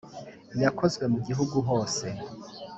yakozwe mu gihugu hose